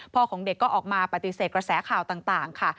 ของเด็กก็ออกมาปฏิเสธกระแสข่าวต่างค่ะ